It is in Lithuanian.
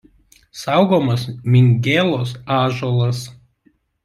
Saugomas Mingėlos ąžuolas.